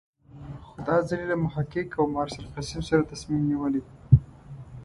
خو دا ځل یې له محقق او مارشال قسیم سره تصمیم نیولی.